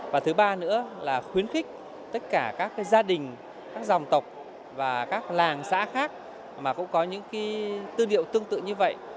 và thứ ba nữa là khuyến khích tất cả các gia đình các dòng tộc và các làng xã khác mà cũng có những tư liệu tương tự như vậy